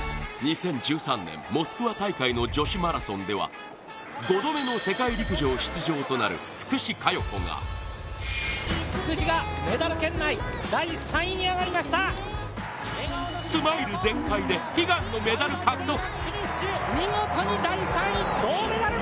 ２０１３年モスクワ大会の女子マラソンでは５度目の世界陸上出場となる福士加代子がスマイル全開で悲願のメダル獲得。